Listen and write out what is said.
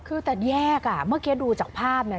คือแต่แยกอ่ะเมื่อกี้ดูจากภาพเนี่ย